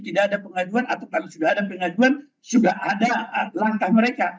tidak ada pengaduan atau kalau sudah ada pengaduan sudah ada langkah mereka